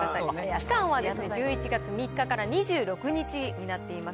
期間は１１月３日から２６日になっています。